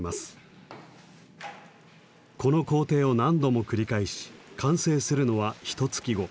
この工程を何度も繰り返し完成するのはひとつき後。